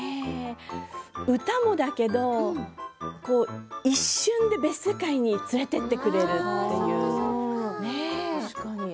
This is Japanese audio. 歌もだけど一瞬で別世界に連れていってくれるというか。